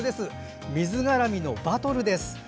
水絡みのバトルです。